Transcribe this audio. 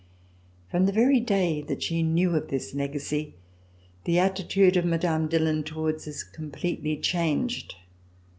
From the very day that she knew of this legacy the attitude of Mme. Dillon towards us completely changed.